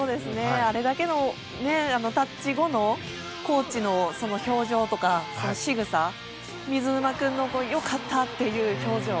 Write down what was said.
あれだけのタッチ後のコーチの表情とかしぐさと、水沼君の良かった！っていう表情。